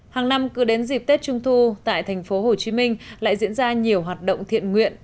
hàng năm cứ đến dịp tết trung thu tại thành phố hồ chí minh lại diễn ra nhiều hoạt động thiện nguyện